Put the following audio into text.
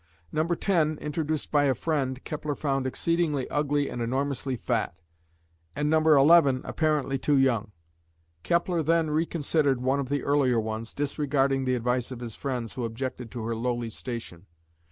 Number ten, introduced by a friend, Kepler found exceedingly ugly and enormously fat, and number eleven apparently too young. Kepler then reconsidered one of the earlier ones, disregarding the advice of his friends who objected to her lowly station.